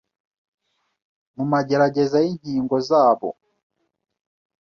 mu magerageza y'inkingo zabo.